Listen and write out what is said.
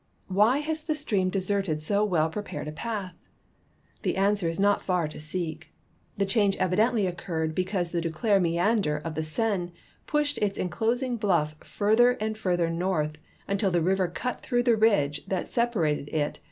Why has the stream deserted so well ])repared a path ? The answer is not far to seek. The change evidently occurred because the Duclair meander of the Seine pushed its inclosing bluff further and further north until the river cut through the ridge that separated it from the Ste.